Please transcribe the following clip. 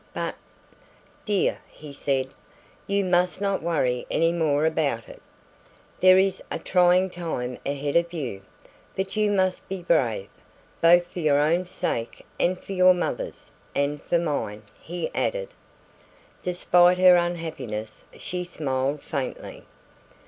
"But " "Dear," he said, "you must not worry any more about it. There is a trying time ahead of you, but you must be brave, both for your own sake and for your mother's, and for mine," he added. Despite her unhappiness she smiled faintly.